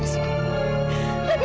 lebih baik mama mati